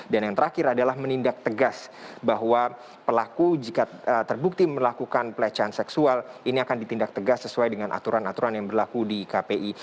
dan yang terakhir adalah menindak tegas bahwa pelaku jika terbukti melakukan pelecehan seksual ini akan ditindak tegas sesuai dengan aturan aturan yang berlaku di kpi